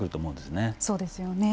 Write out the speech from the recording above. そうですよね。